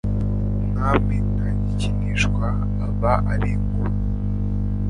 Umwami ntagikinishwa Aba ari inkuba,